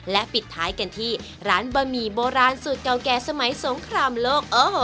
และปิดท้ายกันที่ร้านบะหมี่โบราณสูตรเก่าแก่สมัยสงครามโลก